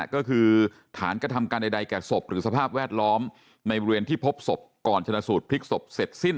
ก็คือฐานกระทำการใดแก่ศพหรือสภาพแวดล้อมในบริเวณที่พบศพก่อนชนะสูตรพลิกศพเสร็จสิ้น